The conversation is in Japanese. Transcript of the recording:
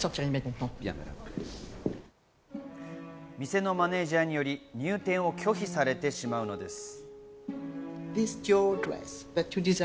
店のマネージャーにより、入店を拒否されてしまうのです。